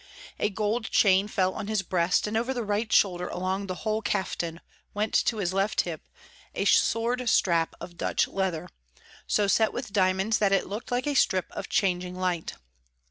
A gold chain fell on his breast, and over the right shoulder along the whole kaftan went to his left hip a sword strap of Dutch leather, so set with diamonds that it looked like a strip of changing light.